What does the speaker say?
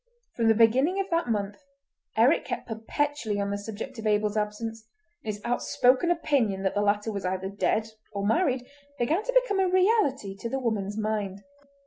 From the beginning of that month Eric kept perpetually on the subject of Abel's absence, and his outspoken opinion that the latter was either dead or married began to become a reality to the woman's mind.